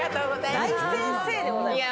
大先生でございます。